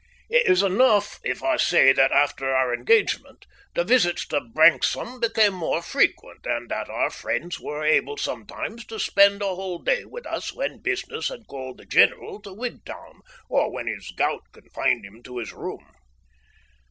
It is enough if I say that after our engagement the visits to Branksome became more frequent, and that our friends were able sometimes to spend a whole day with us when business had called the general to Wigtown, or when his gout confined him to his room.